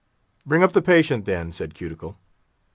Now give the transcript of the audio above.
"Bring up the patient, then," said Cuticle.